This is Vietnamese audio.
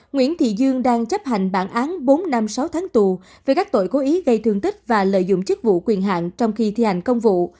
nguyễn thị dương đang chấp hành bản án bốn năm sáu tháng tù về các tội cố ý gây thương tích và lợi dụng chức vụ quyền hạn trong khi thi hành công vụ